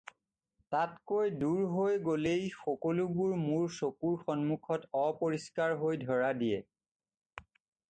তাতকৈ দূৰ হৈ গ'লেই সকলোবোৰ মোৰ চকুৰ সন্মুখত অপৰিষ্কাৰ হৈ ধৰা দিয়ে।